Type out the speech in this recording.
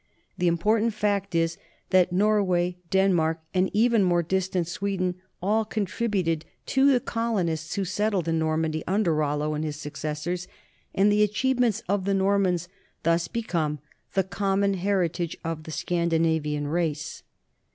The important fact is that Norway, Denmark, and even more distant Sweden, all contributed to the colonists who settled in Normandy under Rollo and his successors, and the achievements of the Normans thus become the common heritage of the Scandinavian race.